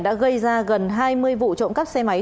đã gây ra gần hai mươi vụ trộm cắp xe máy